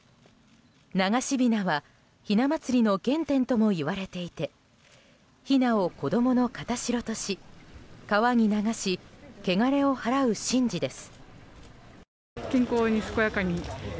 流しびなはひな祭りの原点ともいわれていてひなを子供の形代とし川に流しけがれを払う神事です。